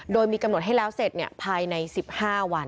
โดยมีกำหนดให้แล้วเสร็จภายใน๑๕วัน